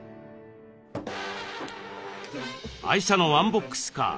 愛車のワンボックスカー